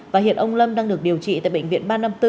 và hiện ông lâm đang được điều trị tại bệnh viện ba trăm năm mươi bốn